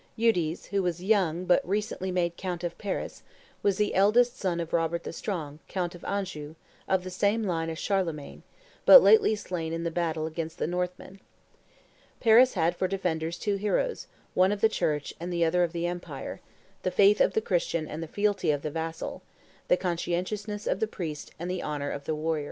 Eudes, who was young and but recently made count of Paris, was the eldest son of Robert the Strong, count of Anjou, of the same line as Charlemagne, and but lately slain in battle against the Northmen. Paris had for defenders two heroes, one of the Church and the other of the Empire: the faith of the Christian and the fealty of the vassal; the conscientiousness of the priest and the honor of the warrior.